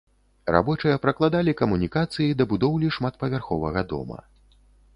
Рабочыя пракладалі камунікацыі да будоўлі шматпавярховага дома.